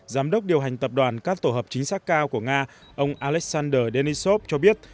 giám đốc điều hành tập đoàn các tổ hợp chính xác cao của nga ông alexander denisov cho biết